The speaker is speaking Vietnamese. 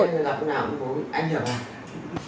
anh hiệp à